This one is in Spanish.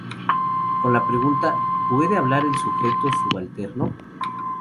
Con la pregunta "¿Puede hablar el sujeto subalterno?